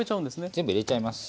全部入れちゃいます。